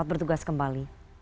terima kasih ud for sebelas